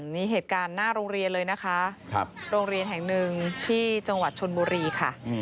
นี่เหตุการณ์หน้าโรงเรียนเลยนะคะโรงเรียนแห่งหนึ่งที่จังหวัดชนบุรีค่ะ